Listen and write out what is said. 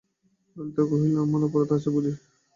ললিতা কহিল, আমারও অপরাধ আছে বুঝি?